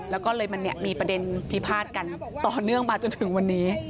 แล้วก็เลยมันมีประเด็นพิพาทกันต่อเนื่องมาจนถึงวันนี้